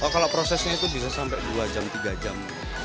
kalau prosesnya itu bisa sampai dua jam tiga jam